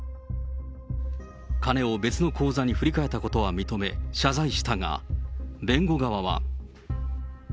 金を別の口座に振り替えたことは認め、謝罪したが、弁護側は。